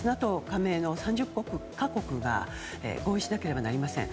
ＮＡＴＯ加盟の３０か国が合意しなければなりません。